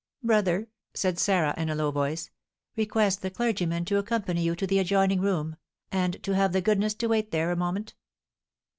"Brother," said Sarah, in a low voice, "request the clergyman to accompany you to the adjoining room, and to have the goodness to wait there a moment."